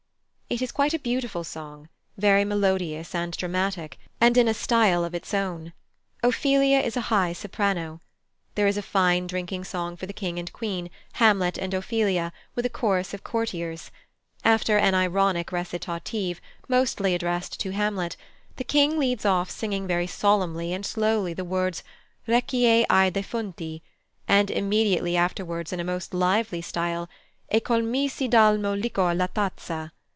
It is quite a beautiful song, very melodious and dramatic, and in a style of its own. Ophelia is a high soprano. There is a fine drinking song for the King and Queen, Hamlet, and Ophelia, with a chorus of courtiers. After an ironic recitative, mostly addressed to Hamlet, the King leads off singing very solemnly and slowly the words "Requie ai defunti," and immediately afterwards in a most lively style, "e colmisi d'almo liquor la tazza."